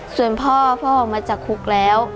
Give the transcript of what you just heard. ส่วนพ่อพ่อออกมาจากคุกแล้ว